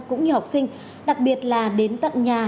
cũng như học sinh đặc biệt là đến tận nhà